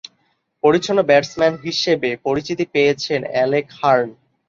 পরিচ্ছন্ন ব্যাটসম্যান হিসেবে পরিচিতি পেয়েছেন অ্যালেক হার্ন।